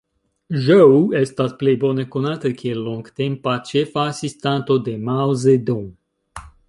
Zhou estas plej bone konata kiel longtempa ĉefa asistanto de Mao Zedong.